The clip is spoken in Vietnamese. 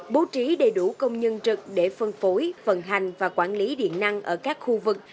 bố trí đầy đủ công nhân trực để phân phối vận hành và quản lý điện năng ở các khu vực